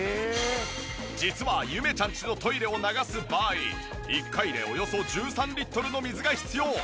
実はゆめちゃんちのトイレを流す場合１回でおよそ１３リットルの水が必要。